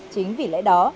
chính vì lẽ đó